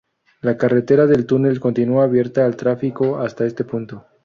La carretera del túnel continúa abierta al tráfico hasta este punto.